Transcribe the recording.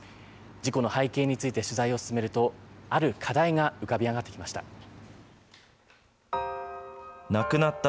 事故の背景について取材を進めると、ある課題が浮かび上がってきました。